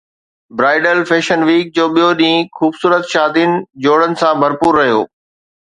bridal fashion week جو ٻيو ڏينهن خوبصورت شادين جوڙن سان ڀرپور رهيو